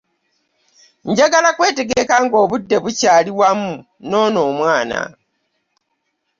Njagala kwetegeka nga obudde bukyali wamu noono omwana.